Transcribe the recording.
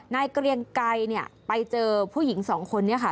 เกรียงไกรไปเจอผู้หญิงสองคนนี้ค่ะ